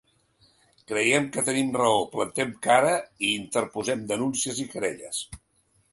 Creiem que tenim raó, plantem cara i interposem denúncies i querelles.